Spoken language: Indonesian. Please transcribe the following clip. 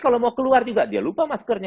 kalau mau keluar juga dia lupa maskernya